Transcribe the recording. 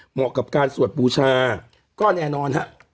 เหมาะกับการสวดบูชาก็แน่นอนฮะ